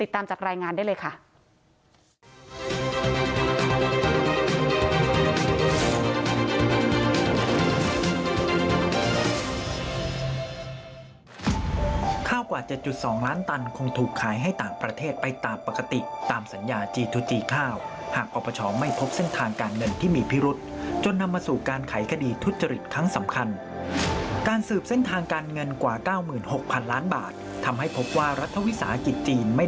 ตามจากรายงานได้เลยค่ะ